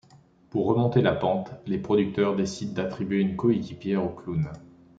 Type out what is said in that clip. Pour remonter la pente, les producteurs décident d'attribuer une coéquipière au clown.